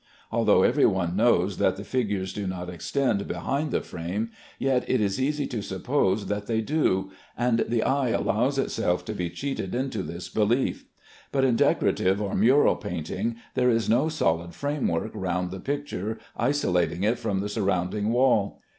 Although every one knows that the figures do not extend behind the frame, yet it is easy to suppose that they do, and the eye allows itself to be cheated into this belief; but in decorative or mural painting there is no solid framework round the picture isolating it from the surrounding wall.